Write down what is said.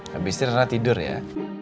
habis ini rena tidur ya